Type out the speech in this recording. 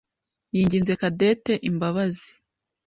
yinginze Cadette imbabazi.